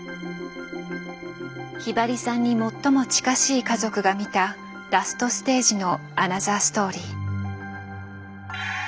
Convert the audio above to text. ひばりさんに最も近しい家族が見たラストステージのアナザーストーリー。